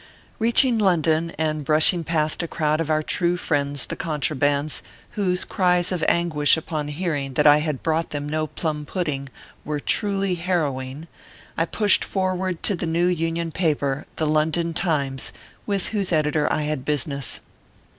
Beaching London, and brushing past a crowd of our true friends the contrabands, whose cries of anguish upon hearing that I had brought them no plum pudding, were truly harrowing, I pushed for ward to the new Union paper, the London Times, with whose editor I had business.